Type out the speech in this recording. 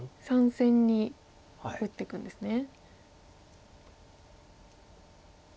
３線に打っていくんですね。